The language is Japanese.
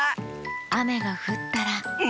あめがふったらンフフ。